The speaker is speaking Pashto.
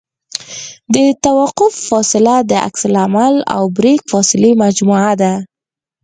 د توقف فاصله د عکس العمل او بریک فاصلې مجموعه ده